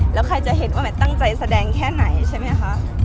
แล้วใครจะเห็นว่าแมทตั้งใจแสดงแค่ไหนใช่ไหมคะ